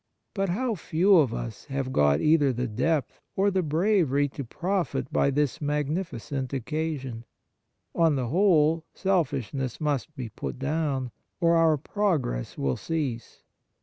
But how few of us have got either the depth or the bravery to profit by this magnificent occasion ! On the whole, selfishness must be put down, or our progress will cease.